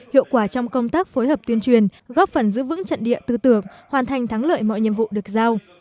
hiệu quả trong công tác phối hợp tuyên truyền góp phần giữ vững trận địa tư tưởng hoàn thành thắng lợi mọi nhiệm vụ được giao